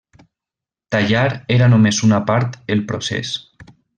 Tallar era només una part el procés.